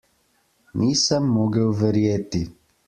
Nisem mogel verjeti.